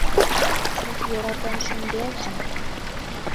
Чот йӧратен шӱмбелжым...